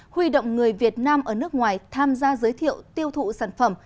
huy động người việt nam ở nước ngoài tham gia giới thiệu tiêu thụ sản phẩm